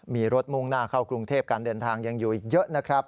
มีรถมุ่งหน้าเข้ากรุงเทพการเดินทางยังอยู่อีกเยอะนะครับ